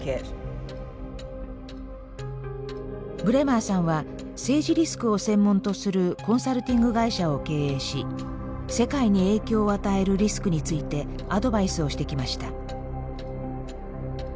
ブレマーさんは政治リスクを専門とするコンサルティング会社を経営し世界に影響を与えるリスクについてアドバイスをしてきました。